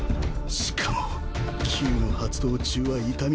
しかも「朽」の発動中はあっ！